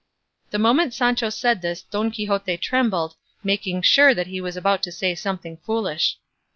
The moment Sancho said this Don Quixote trembled, making sure that he was about to say something foolish.